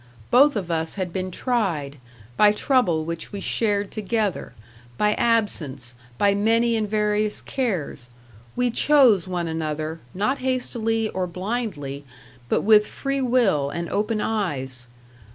Both of us had been tried by trouble which we shared together, by absence, by many and various cares. We chose one another, not hastily or blindly, but with free will and open eyes.